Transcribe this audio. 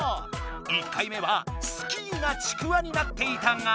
１回目はスキーがちくわになっていたが。